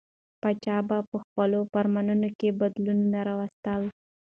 پاچا به په خپلو فرمانونو کې بدلونونه راوستل.